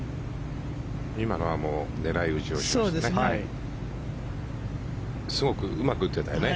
今のは狙い打ちでしたね。